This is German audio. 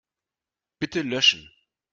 Bitte löschen.